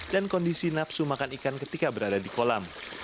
dan kondisi napsu makan ikan ketika berada di kolam